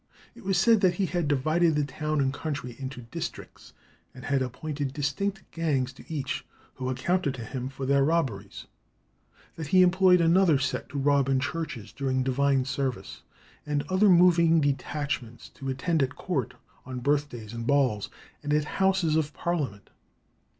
It was said that he had divided the town and country into districts, and had appointed distinct gangs to each, who accounted to him for their robberies; that he employed another set to rob in churches during divine service, and other "moving detachments to attend at court on birthdays and balls, and at the Houses of Parliament."